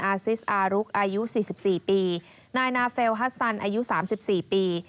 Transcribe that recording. ซิสอารุกอายุ๔๔ปีนายนาเฟลฮัสซันอายุ๓๔ปี